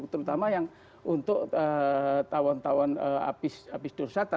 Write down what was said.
terutama yang untuk tawon tawan apis dursata